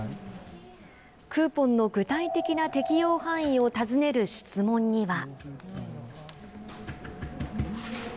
クーポンの具体的な適用範囲を尋ねる質問には。